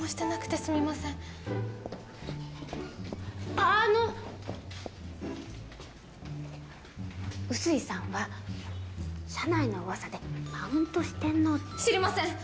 あの薄井さんは社内のうわさでマウント四天王って知りません